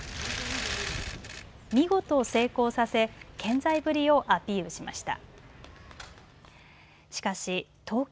見事成功させ健在ぶりをアピールしました。